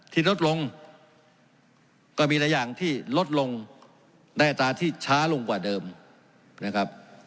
ลดลงก็มีหลายอย่างที่ลดลงได้อัตราที่ช้าลงกว่าเดิมนะครับ